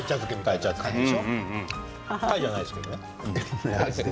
鯛じゃないですけどね。